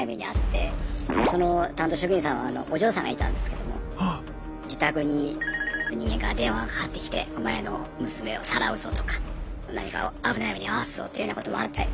その担当職員さんはお嬢さんがいたんですけども自宅にの人間から電話がかかってきてとか何か危ない目に遭わすぞというようなこともあったり。